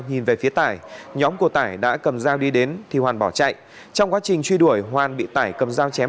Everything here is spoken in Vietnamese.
nhìn về phía tải nhóm của tải đã cầm dao đi đến thì hoàn bỏ chạy trong quá trình truy đuổi hoàn bị tải cầm dao chém